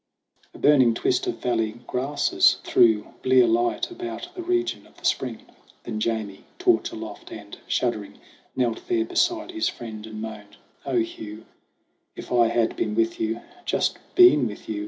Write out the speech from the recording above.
A burning twist of valley grasses threw Blear light about the region of the spring. Then Jamie, torch aloft and shuddering, Knelt there beside his friend, and moaned : "O Hugh, If I had been with you just been with you